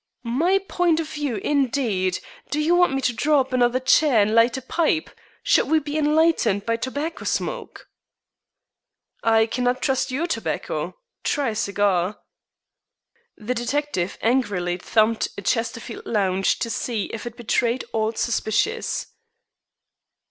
"My point of view, indeed! Do you want me to draw up another chair and light a pipe? Should we be enlightened by tobacco smoke?" "I cannot trust your tobacco. Try a cigar." The detective angrily thumped a Chesterfield lounge to see if it betrayed aught suspicious.